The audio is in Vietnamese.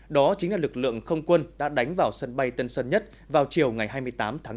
đó chính là lực lượng không quân đã đánh vào sân bay tân sơn nhất vào chiều ngày hai mươi tám tháng bốn